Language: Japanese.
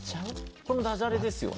ダジャレですよね？